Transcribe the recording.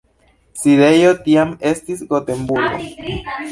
Sidejo tiam estis Gotenburgo.